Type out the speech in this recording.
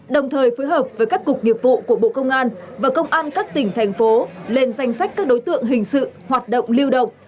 đồng thời phối hợp với các cục nghiệp vụ của bộ công an và công an các tỉnh thành phố lên danh sách các đối tượng hình sự hoạt động lưu động